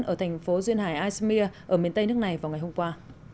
ở thành phố duyên hải ashmir ở miền tây nước này vào ngày hôm qua